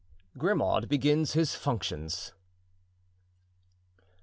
Grimaud begins his Functions.